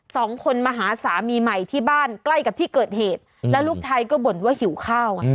สองคนมาหาสามีใหม่ที่บ้านใกล้กับที่เกิดเหตุแล้วลูกชายก็บ่นว่าหิวข้าวอ่ะ